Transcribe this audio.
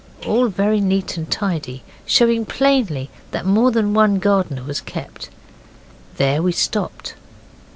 All very neat and tidy, and showing plainly that more than one gardener was kept. There we stopped.